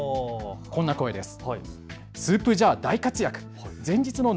こんな声です。